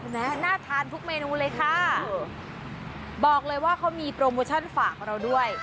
น่าทานทุกเมนูเลยค่ะบอกเลยว่าเขามีโปรโมชั่นฝากเราด้วย